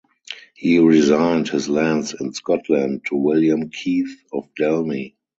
He resigned his lands in Scotland to William Keith of Delny.